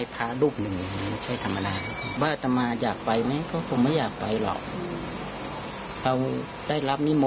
พระรุปหนึ่งไม่ใช่ทำลัง